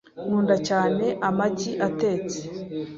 Nkunda cyane. amagi atetse .